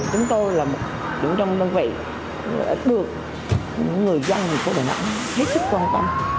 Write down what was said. chúng tôi là một trong những đơn vị được người dân của đà nẵng hết sức quan tâm